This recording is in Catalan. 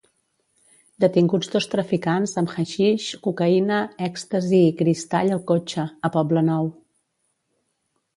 Detinguts dos traficants amb haixix, cocaïna, èxtasi i cristall al cotxe, a Poblenou.